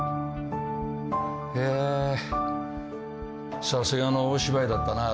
いやさすがの大芝居だったな熱護。